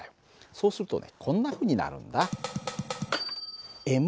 そうするとねこんなふうになるんだ。